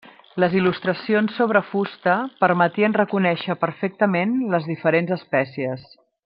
Les il·lustracions, sobre fusta, permetien reconèixer perfectament les diferents espècies.